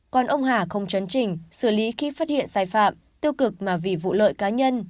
còn ông hà không chấn chỉnh xử lý khi phát hiện sai phạm tiêu cực mà vì vụ lợi cá nhân